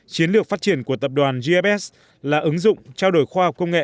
chiến lược phát triển của tập đoàn gfs là ứng dụng trao đổi khoa học công nghệ